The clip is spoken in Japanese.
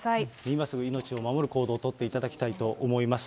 今すぐ命を守る行動を取っていただきたいと思います。